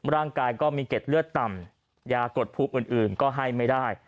ร่างกายก็มีเกร็ดเลือดต่ำยากดภูมิอื่นก็ให้ไม่ได้